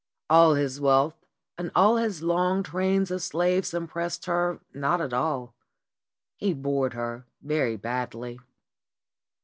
All his wealth and all his long trains of slaves impressed her not at all. He bored her very badly.